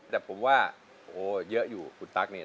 แต่ผมว่าโอ้เยอะอยู่คุณตั๊กเนี่ย